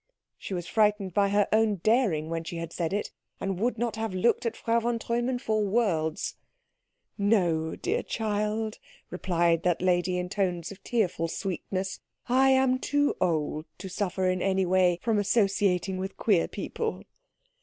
She was frightened by her own daring when she had said it, and would not have looked at Frau von Treumann for worlds. "No, dear child," replied that lady in tones of tearful sweetness, "I am too old to suffer in any way from associating with queer people."